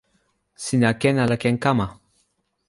sina ken ala ken kama?